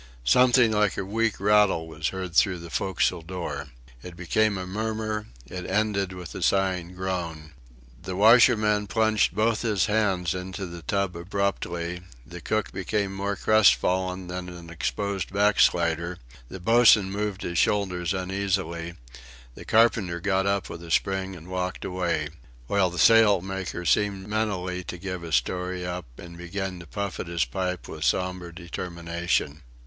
Something like a weak rattle was heard through the forecastle door. It became a murmur; it ended in a sighing groan. The washerman plunged both his arms into the tub abruptly; the cook became more crestfallen than an exposed backslider; the boatswain moved his shoulders uneasily; the carpenter got up with a spring and walked away while the sailmaker seemed mentally to give his story up, and began to puff at his pipe with sombre determination.